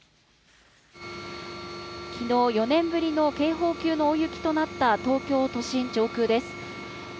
きのう４年ぶりの警報級の大雪となった東京都心上空です。